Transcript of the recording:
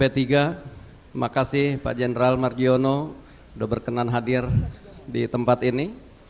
terima kasih pak jendral margiono sudah berkenan hadir di tempat ini